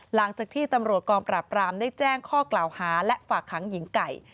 หลังจากที่ตำรวจกองปราบรามได้แจ้งข้อกล่าวหาและฝากขังหญิงไก่